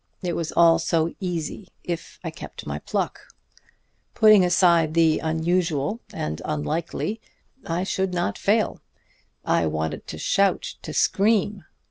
It was all so easy if I kept my pluck. Putting aside the unusual and unlikely, I should not fail. I wanted to shout, to scream!